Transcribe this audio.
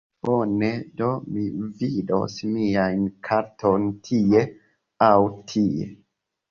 Bone, do mi vidos mian karton tie... aŭ tie?